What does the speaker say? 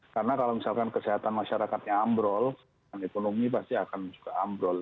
karena kalau misalkan kesehatan masyarakatnya ambrol ekonomi pasti akan juga ambrol